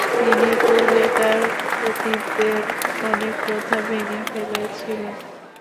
তিনি পূর্বেকার খতিবদের অনেক প্রথা ভেঙে ফেলেছিলেন।